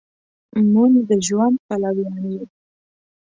مونږ د ژوند پلویان یو